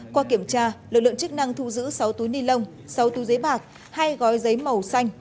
qua kiểm tra lực lượng chức năng thu giữ sáu túi ni lông sáu túi giấy bạc hai gói giấy màu xanh